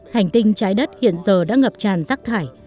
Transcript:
hành tinh trái đất hiện giờ đã ngập tràn rác thải